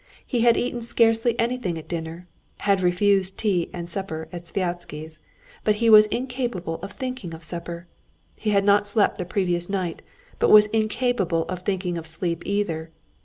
He had eaten scarcely anything at dinner, had refused tea and supper at Sviazhsky's, but he was incapable of thinking of supper. He had not slept the previous night, but was incapable of thinking of sleep either.